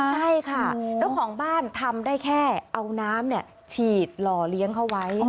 ใช่ค่ะเจ้าของบ้านทำได้แค่เอาน้ำฉีดหล่อเลี้ยงเขาไว้